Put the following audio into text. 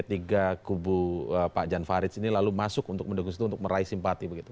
tiga kubu pak jan farid sini lalu masuk untuk mendukung itu untuk meraih simpati begitu